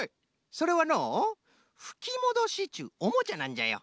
それはのうふきもどしっちゅうおもちゃなんじゃよ。